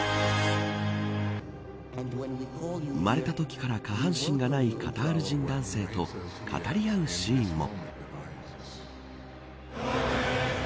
生まれたときから下半身がないカタール人男性と語り合うシーンも。